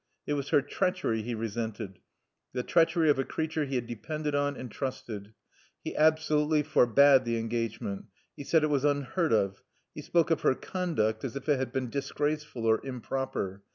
It was her treachery he resented, the treachery of a creature he had depended on and trusted. He absolutely forbade the engagement. He said it was unheard of. He spoke of her "conduct" as if it had been disgraceful or improper.